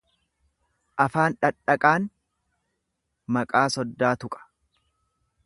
Afaan dhadhaqaan maqaa soddaa tuqa.